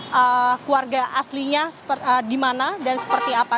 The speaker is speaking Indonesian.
keluarga aslinya di mana dan seperti apa